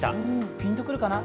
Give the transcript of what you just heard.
ピンとくるかな？